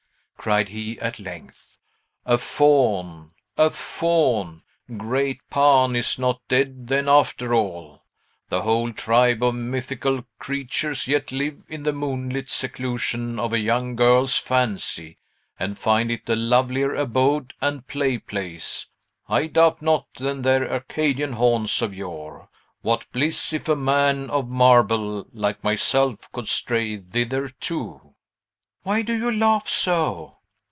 cried he, at length. "A Faun! a Faun! Great Pan is not dead, then, after all! The whole tribe of mythical creatures yet live in the moonlit seclusion of a young girl's fancy, and find it a lovelier abode and play place, I doubt not, than their Arcadian haunts of yore. What bliss, if a man of marble, like myself, could stray thither, too!" "Why do you laugh so?"